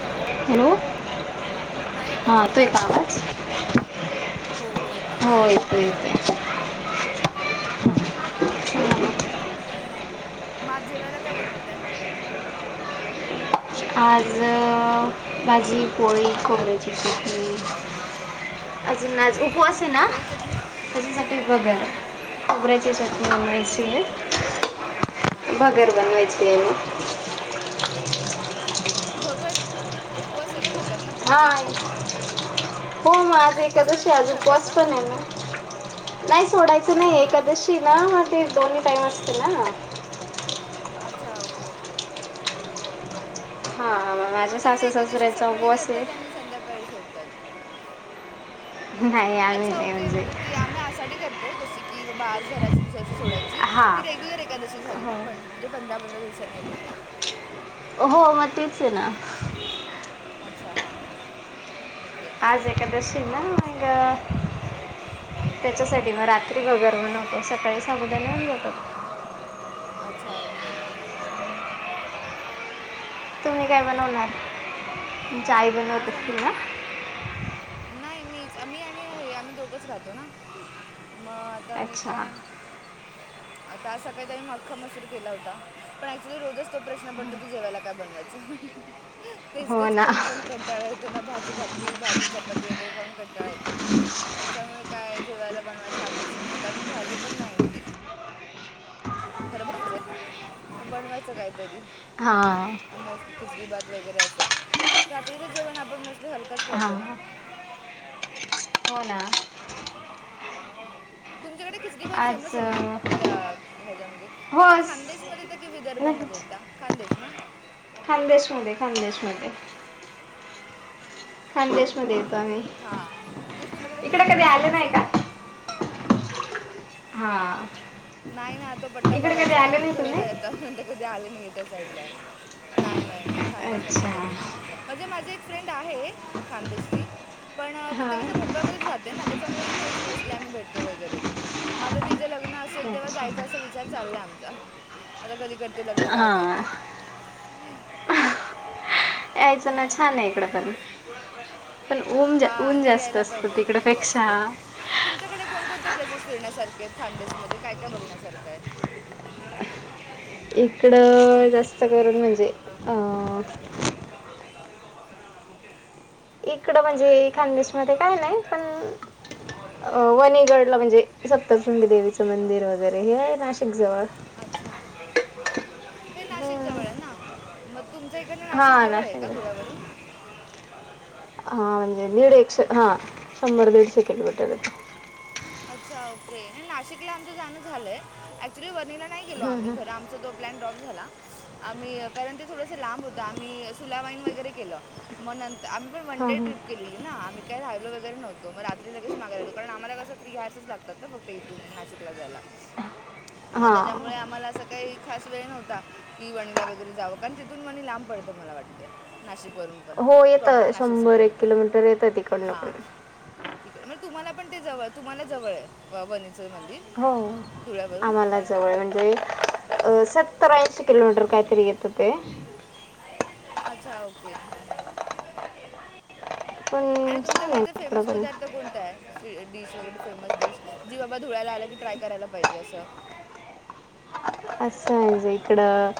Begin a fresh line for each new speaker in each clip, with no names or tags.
Hello.
Hello. हा आता येतोय का आवाज?
हो हो येतो
हो येतोय की.
हां
येतोय
म आज जेवायला काय बनवताय.
आज अ भाजी, पोळी, खोबऱ्याची चटणी. अजून नाही. उपवास आहे ना.
कशाची चटणी
त्याच्यासाठी भगर,
हां हां हां
खोबऱ्याची चटणी हे सगळ.
हा.
हा गर्भान व्हायची आणि
अच्छा, भगर. उपवासाला खातात ना पण ती.
हां हो मग आज
तुम्ही उपवास
एकादशी
सोडायला पण
आज
खाता
उपवास
का. [inaudible]
पण आहे ना नाही सोडायचं
अच्छा
नाही
हां हां.
एकादशीला ना मग ते दोन्ही टाईम असत ना.
अच्छा. Okay okay. हां हां हां.
हा माझ्या
आमच्याकडे एकादशी
सासू-सासऱ्यांचा
सकाळी
उपवास आहे.
धरतात आणि संध्याकाळी सोडतात
नाही आम्ही
अच्छा.
नाही
ओके. म्हणजे ते आम्ही आषाढी करतो जशी की बाबा आज घरा दिवसाची सोडायची.
हां
ही रेग्युलर एकादशी झाली ना, पण
हो
म्हणजे पंधरा पंधरा दिवसानी येते ती.
हो मग तेच आहे ना.
अच्छा, हां हां हां, ओके.
आज एकादशी ना, व्हंय गं? त्याच्यासाठी मग रात्री [unintelligible] नव्हतो, सकाळी साबुदान घेऊन जातात.
अच्छा, ओके. हां हां हां
तुम्ही काय बनवणार, तुमच्या आई बनवत
आज आम
असतील ना?
नाही मीचं, मी आणि आम्ही दोघंच राहतो ना, मग आता मी
अच्छा
काय आता आज सकाळीच्यान आख्खा मसूर केला होता, पण ऍक्च्युली रोजचं तो प्रश्न पडतो की जेवायला काय बनवायचं? तेच
हो
तेच
ना
खाऊन पण कंटाळा येतो ना, भाजी भाकरी, भाजी चपाती, वगैरे खाऊन कंटाळा येतो. त्याच्यामुळे काय जेवायला बनवायचा हा प्रश्न नाही, आता मी भाजी पण नाही आणली. खर बोलते, बनवायचं काहीतरी.
हां.
[unintelligible] वगैरे असं रात्रीचं जेवण आपण मोस्टली हलं
हां, हो ना.
तुमच्याकडे खिचडीभात
आज
फेमस आहे ना?
अं,
त्या ह्याच्यामध्ये
हो
तुम्ही
स-
खानदेशमध्ये येता कि
नाही
विदर्भामध्ये येता, खानदेश ना?
खानदेशमध्ये, खानदेशमध्ये. खानदेशमध्ये येतो आम्ही,
हां तेच तुमच्याकडे
इकडे
खिचडी
कधी
भात
आले
फेमस
नाही
आहे
का?
ना
हां.
नाही ना तो पट्टा
इकडे कधी
बघायचा आहे
आले
मला
नाही तुम्ही
[unintelligible] मी कधी आले नाही त्या साईडला. नाही, नाही, नाही, खांदेशला नाही
अच्छा
कधी. म्हणजे माझी एक फ्रेंड आहे खानदेशची, पण
हां
ते कसं मुंबईमध्येच राहत ते ना त्याच्यामुळे इथेच मोस्टली आम्ही भटतो वगैरे माझं, तीचं लग्न असे तेव्हा जायचा असा
अच्छा
विचार चाललाय आमचा, आता कधी करते लग्न काय
हां
माहिती?
यायचं ना, छान आहे इकडं पण. पण,
हां
ऊन-ऊन
नाही
जास्त
यायला
असतं
पाहिजे
तिकडपेक्षा.
जास्त तुमच्याकडे कोणकोणत्या प्लेसेस फिरण्यासारखे आहेत? खानदेशी मध्ये काय काय बघण्यासारखं आहे?
इकडं जास्त करून म्हणजे, अं. इकडं म्हणजे, खानदेशमध्ये काय नाहीये, पण अं, वणीगडला म्हणजे सप्तशृंगी देवीचं मंदिर वगैरे हे आहे ना, नाशिक जवळ.
अच्छा. हां हे
हम्म.
नाशिकजवळ आहे ना? मग तुमच्या इकडंन नाशिक जवळ आहे का, धुळ्यावरून?
हां, म्हणजे दीडशे, हा शंभर दीडशे किलोमीटर आहे.
अच्छा, ओके. नाही, नाशिकला आमचं जाणं झालंय. ऍक्च्युली, वर्णीला नाही गेलो
हम्म,
आम्ही
हम्म.
खरं आमचं दोघं प्लॅन ड्रॉप झाला. आम्ही कारण ते थोडसं लांब होतं आम्ही सुलावाईन वगैरे केलं, मग नंतर आम्ही वन
हां
डे
हां
ट्रिप केलेली ना, आम्ही काय राहिलो वगैरे नव्हतो, मग रात्री लगेच मागारी आलो, कारण आम्हांला कसं [unintelligible] घ्यायलाच लागतात ना, [unintelligible] इथून नाशिकला जायला मग त्याच्यामुळे
हां
आम्हांला असं काही खास वेळ नव्हता, की वणीला वगैरे जावं कारण तिथून वणी लांब पडतं मला वाटतय. नाशिक वरून पण,
हो
प्रॉपर
येतं
नाशिक
शंभर एक
सिटीमधून,
किलोमीटर येतं तिकडनं
हां.
पण
तिकडे मग तुम्हांला पण ते जवळ, तुम्हाला जवळ आहे, व-वनीचं मंदिर.
हो,
धुळ्यावरून
आम्हांला. [unintelligible] जवळ म्हणजे अं सत्तर, ऐंशी किलोमीटर काय तरी येतं ते.
अच्छा, ओके. हा, हा, हा. आणि
पण छान आहे
तुमच्याकडचा फेमस
तिकडं पण
पदार्थ कोणताय? डिश वगैरे फेमस डिश जी बाबा धुळ्याला आल की ट्राय करायला पाहिजे असं.
असं आहेज इकडं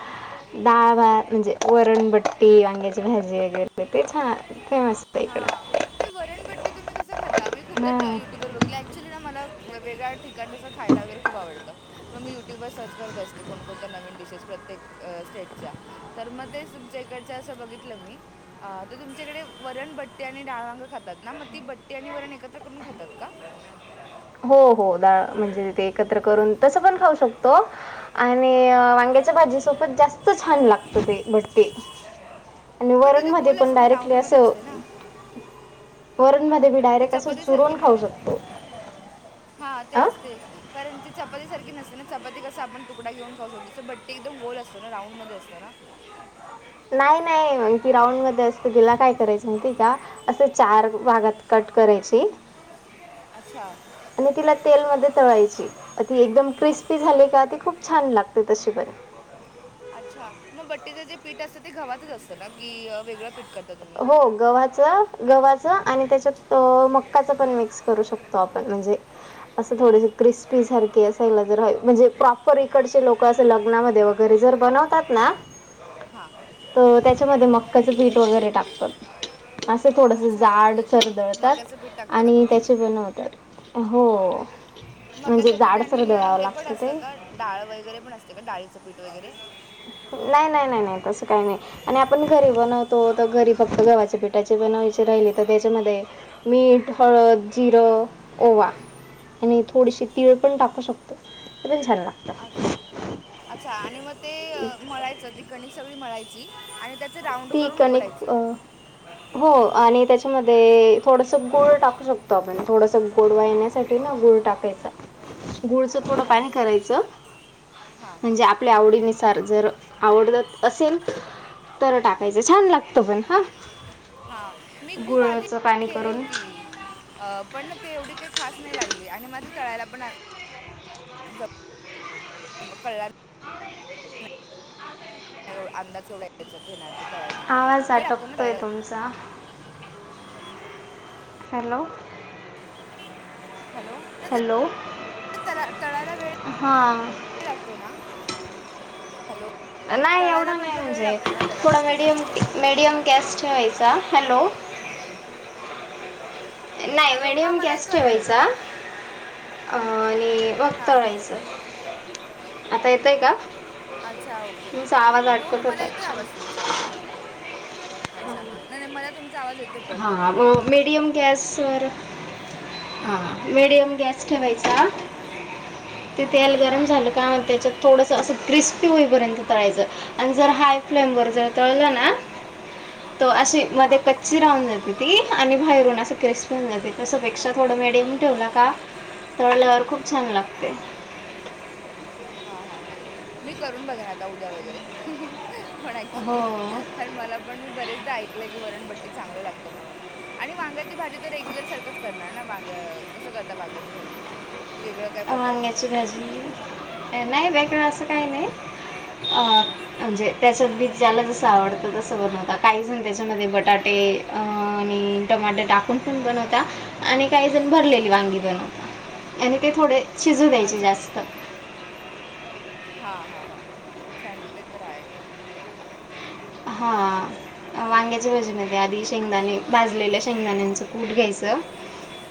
डाळभात म्हणजे वरणबट्टी वांग्याची भाजी वगैरे ते छान फेमस. आहे
हा.
इकडं
ते वरणबट्टी तुम्ही कस खाता मी खूपदा
हां
यु ट्युब वर बघले ऍक्च्युली मला वेगळ्या सं खायला वगैरे खूप आवडतं. मग मी यु ट्यूबवर सर्च करत असते कोणकोणत्या नवीन डिशेस प्रत्येक स्टेटच्या तर मग तेच तुमच्या इकडचं असं बघितलं मी तर तुमच्याकडे वरण बट्टी आणि डाळ वांग खातात ना मग ती बट्टी आणि वरण एकत्र करून खातात का?
हो - हो डाळ म्हणजे ते एकत्र करून तसं पण खाऊ शकतो. आणि वांग्याच्या भाजी सोबत जास्त छान लागत ते बट्टी
[inaudible]
वरणमध्ये
गोल
पण
असते ना
डायरेक्टली
राऊंडमध्ये
असं
असते ना
वरणध्ये मी
ती
डायरेक्ट असं
चपातीसारखी
चुरून खाऊ शकतो.
हा
हां
तेच- तेच. कारण ती चपातीसारखी नसते ना चपाती कसा आपण तुडा घेऊन खाऊ शकतो त्या बट्टी एकदम गोल असतो ना राऊंड मध्ये असतो ना.
नाही- नाही. मग ती राऊंड मध्ये असते तिला काय करायचं माहिती ये का? असे चार भागात कट करायची
अच्छा
आणि तिला तेलमध्ये तळायची ती एकदम क्रिस्पी झाली का ती खूप छान लागते तशी पण.
अच्छा मग बट्टेचं जे पीठ असतं ते गव्हाच असतं ना की वेगळं पीठ करत
हो. गव्हाच गव्हाच आणि त्याच्यात मकाच पण मिक्स करू शकतो आपण म्हणजे असं थोडेस क्रिस्पी सारखे असायला जर म्हणजे प्रॉपर इकडचे लोक असं लग्नामध्ये व घरी जर बनवतात ना.
हा.
तर त्याच्यामध्ये मक्काचं पीठ वगैरे टाकतात. असं थोडस
अच्छा
जाड
ओके
सर दळतात
मक्याचं पीठ टाकता का
आणि
तुम्ही
त्याचे बनवतात. हो. म्हणजे
मक्याचं पीठ आणि
जाडसर दळावं
हे पण
लागतं ते
असतं का डाळ वगैरे पण असते का डाळीचं पीठ वगैरे?
नाही - नाही - नाही - नाही. तसं काही नाही. आणि आपण घरी बनवतो तर घरी फक्त गव्हाच्या पिठाचे बनवायचे राहिले तर त्याच्यामध्ये मीठ, हळद, जिरं, ओवा. आणि थोडीशी तीळ पण टाकू शकतो ते पण छान लागत.
अ अच्छा आणि मग ते मळायचं ति कणिक सगळी मळायची आणि त्यात राऊंड
ती
करून
कणिक
उकडायचे.
अ, हो आणि त्याच्यामध्ये थोडसं गुळ टाकू शकतो. आपण थोडस गोड वा येण्यासाठी ना गुळ टाकत गुळच थोडं
अच्छा
पाणी
ओके
करायचं
हां
म्हणजे आ आपल्या आवडीनुसार जर आवडतात असेल तर टाकायचं छान लागतं पण हा.
हा मी खूप आधी केली
करून
होती. अ पण ना ते एवढी काही खास नाही लागली. आणि म ती तळायला पण [inaudible] अंदाज येवडा यचा घे
आवाज
तळायचं वेळ लागतो ना
अटकतोय
त्याला.
[inaudible] हॅलो
हॅलो [inaudible]
हॅलो
तळायला वेळ [inaudible]
हां
वेळ लागतो ना हॅलो
नाही
तळायला
एवढं नाही
म्हटलं वेळ
म्हणजे
लागतो ना त्याला
थोडा
बट्टीला
मीडियम-मीडियम गॅस ठेवायचा हॅलो नाही
हॅलो हां
मीडियम
मला
गॅस
येतो ऐकायला
ठेवायचा अ आणि मग
हां
तळायचं आता येतोय का
अच्छा ओके
तुमचा आवाज
हो-हो
अटकत होता
मला येतोय आवाज
ॲक्च्युली
तुमचा अच्छा हा नाही-नाही मला तुमचा आवाज येत
हा मिडीयम गॅस बर मिडीयम गॅस ठेवायचा ते तेल गरम
हां
झालं का मग त्याच्यात थोडस अस क्रिस्पी होईपर्यंत तळायच आणि जर हाय फ्लेमवर जर तळल ना तर अशे मध्ये
हां
कच्चे कच्चे राउन जाते ती आणि बाहेरून असं क्रिस्पी होऊन जाते तस पेक्षा थोड मिडीयम ठेवला का तळल्यावर खूप छान लागते
हा-हा -हा-हा मी करून बघेन आता उद्या वगैरे पण
हो
ऍक्च्युली कारण मला पण मी बरेचदा ऐकलय की वरणबट्टी चांगल लागत म्हणून आणि वांग्याची भाजी तर रेग्युलर सारखंच करणार ना वांग कसं करता वांग्याची भाजी कि वेगळा काय प्रकार आहे
वांग्याची
तुमच्याकडे
भाजी नाही वेगळ अस काही नाही अ म्हणजे त्याच्यात बी ज्याला जस आवडत तस बनवतात काही जण त्याच्यामध्ये बटाटे अ आणि टमाटर टाकून पण बनवतात आणि काही जण भरलेली वांगी बनवतात ते थोडे
अच्छा
जास्त
ओके हा-हा चालेल ते तर आहे
हा वांग्याच्या भाजीमध्ये आधी शेंगदाणे भाजलेल्या शेंगदाण्याचं कूट घ्यायचं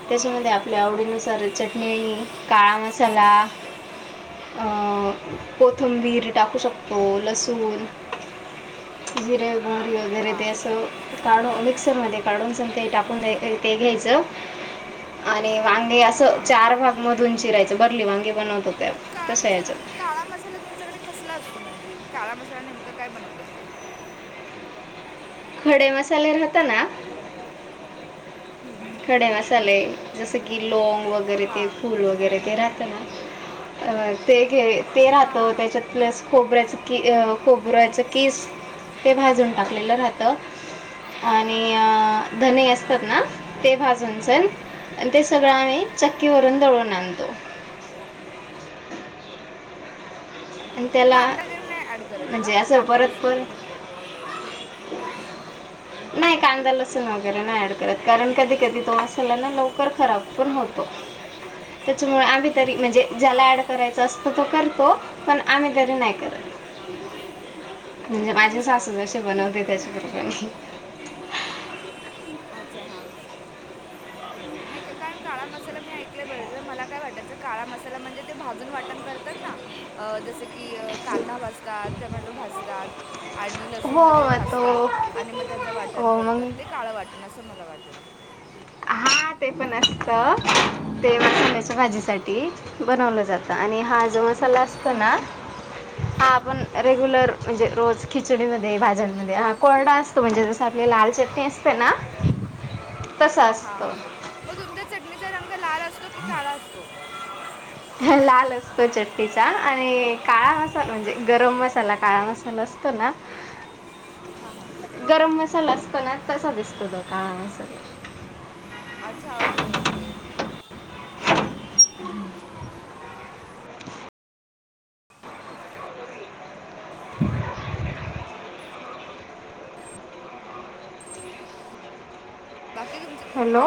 त्याच्यामध्ये आपल्या
हां
आवडीनुसार चटणी काळा मसाला अ कोथिंबीर टाकू शकतो लसूण जिरे मोहरी वगैरे ते
हां
अस काढून मिक्सरमध्ये काढून [inaudible] आणि वांगी अस चार भाग मधून चिरायचं भारली वांगी बनवतो तेव्हा
काळा मसाला-काळा मसाला तुमच्याकडे कसला असतो म्हणजे काळा मसाला नेमका काय बनवता तुम्ही
खडे मसाले राहत ना
हं,
खडे मसाले जस कि लोंग वगैरे ते
हां
फूल वगैरे ते राहत ना अ ते घे ते
हां हां
राहतं
हां
त्याच्यात प्लस खोबऱ्याच की खोबऱ्याच किस ते भाजून टाकलेलं राहत आणि अ धने
हां
असतात ना ते भाजायच आणि ते सगळं
हां
आम्ही चक्की वरून दळून आणतो आणि त्याला
कांदा वगैरे नाही ऍड करत का
म्हणजे असं
कांदा
परत
लसूण
परत नाही कांदा लसूण वगैरे नाही ऍड करत कारण कधी- कधी तो मसाला ना लवकर खराब पण होतो त्याच्यामुळे आम्ही तरी म्हणजे ज्याला
हां
ऍड करायचं असतो तो करतो पण आम्ही तरी नाही करत म्हणजे माझी
अच्छा
सासू
ओके
जशी
ओके
बनवते
ओके
त्याच्या कृपनी.
आच्छा हां हां. नाही का कारण काळा मसाला मी ऐकलंय बरेच वेळा, तर मला काय वाटयचं काळा मसाला म्हणजे ते भाजून वाटण कर तर ना अं जसे की अं कांदा भाजतात टमॅटो भाजतात आणि
हो
लसूण वगैरे
मग
भाजतात
तो
आणि मग त्याचं वाटण
हो
करतात.
मग
ते काळं वाटत ण असं मला वाटलं.
हा ते पण असतं ते अं चन्याच्या भाजीसाठी बनवलं जातं आणि हा जो मसाला असतो ना, हा आपण
हां हां
रेग्युलर म्हणजे रोज खिचडीमध्ये भाज्यांमध्ये हा कोरडा असतो म्हणजे जसं आपली लाल चटणी असते ना तसा
हा हा
असतो
हा मग तुमच्या चटणीचा रंग लाल असतो की काळा असतो?
हं लाल असतो चटणीचा आणि काळा मसाला म्हणजे गरम मसाला काळा मसाला असतो ना
हा हा.
गरम मसाला असतो ना तसा दिसतो तो काळा मसाला.
अच्छा ओके ओके. हां हां
[inaudible] [inaudible]
बाकी तुमची
हॅलो.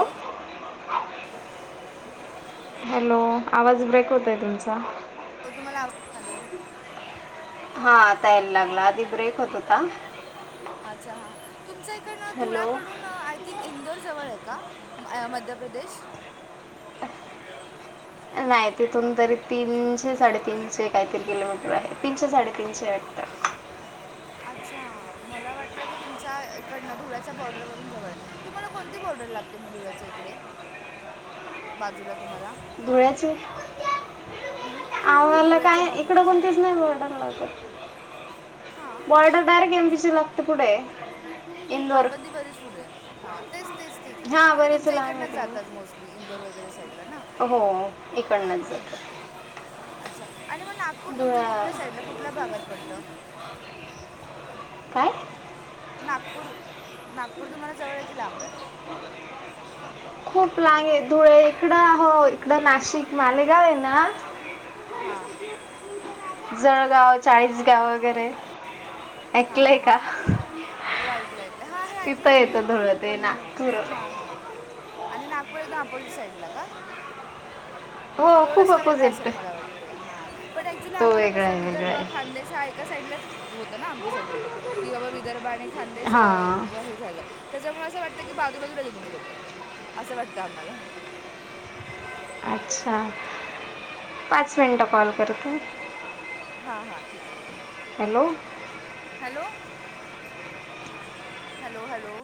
हॅलो आवाज ब्रेक होतोय तुमचा.
हो तुम्हाला आवा हॅलो.
हा आता यायला लागला आधी ब्रेक होत होता.
अच्छा हा. तुमच्या इकडनं
हॅलो
धुळ्याकडून अं ती इंदोर जवळय का म मध्यप्रदेश?
[inaudible] नाही तिथून तरी तीनशे साडेतीनशे काहीतरी किलोमीटर आहे तीनशे साडेतीनशे हाय वाटतं.
अच्छा मला वाटलं की तुमच्या इकडनं धुळ्याच्या बॉर्डर वरून जवळय. तुम्हाला कोणती बॉर्डर लागते मग धुळ्याच्या इकडे बाजूला तुम्हाला?
धुळ्याची.
हं? म्हणजे
आम्हाला
धुळ्याच्या
काय इकडं
बाजूलाच
कोणतीच
आहे.
नाही बॉर्डर लागत.
हां
बॉर्डर डायरेक्ट एम पी ची लागते पुढंय.
हा पण ती बरीच पुढय. हा तेच तेच तेच
हां
म्हणजे
बरेच
तुमच्या
लांब आहे
इकडनंच जातात
काय
मोस्टली इंदोर वगैरे साईडला ना.
हो इकडंनच जातात.
अच्छा आणि मग नागपूर तुमचं
धुळा
कुठल्या साईडला कुठल्या भागात पडतं?
काय?
नागपूर नागपूर तुम्हाला जवळय की लांबय?
[inaudible] खूप लांबे धुळे इकडं हो इकडं नाशिक मालेगावय ना
हां.
जळगाव, चाळीस गाव वगैरे
हां
ऐकलंय
हां हां
का?
हां हो ऐकलं ऐकलं हा हे
तिथं
ऐकलं मी
येतं धुळं ते
पण
नागपूर
नेमकं हा हा. आणि नागपूर एकदम अपोजिट साईड ला का?
हो
तो
खूप
रस्ता वेगळा असेल
अपोजिट
मला वाटतय हा पण ऍक्च्युली
तो
आम्हाला कस
वेगळा आहे वेगळा
विदर्भ
आहे
खानदेश एका साईडलाच होतं ना आमच्यासाठी कि बाबा विदर्भ आणि खानदेश
हां
अं हे झालं. त्याच्यामुळे असं वाटतं की बाजू बाजूला तुम्ही लोक असं वाटतं आम्हाला.
अच्छा, पाच मिनिटं कॉल करते.
हा हा ठीक आहे.
हॅलो.
हॅलो. Hello, hello.